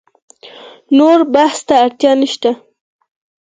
نور بحث ته اړتیا نشته.